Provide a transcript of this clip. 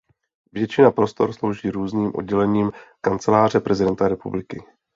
Většina prostor slouží různým oddělením kanceláře prezidenta republiky.